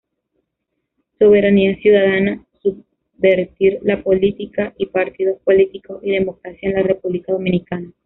Soberanía Ciudadana; Subvertir la Política; y Partidos Políticos y Democracia en la República Dominicana.